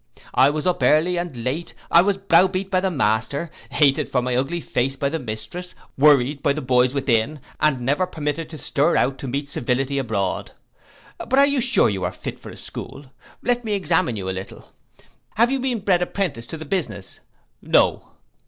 I was up early and late: I was brow beat by the master, hated for my ugly face by the mistress, worried by the boys within, and never permitted to stir out to meet civility abroad. But are you sure you are fit for a school? Let me examine you a little. Have you been bred apprentice to the business? No.